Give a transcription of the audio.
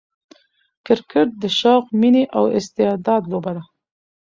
کرکټ د شوق، میني او استعداد لوبه ده.